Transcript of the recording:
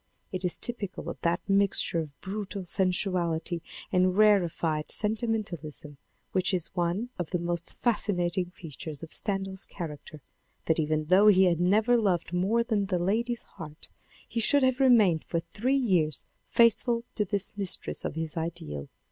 It is typical of that mixture of brutal sensuality and rarefied sentimentalism which is one of the most fascinating features of Stendhal's character, that even though he had never loved more than the lady's heart, he should have remained for three years faithful to this mistress of his ideal.